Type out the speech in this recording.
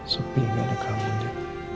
supi dari kamunya